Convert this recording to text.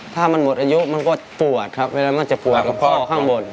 ถ้ามันหมดอายุมันก็ปวดครับเวลามันจะปวดกับพ่อข้างบน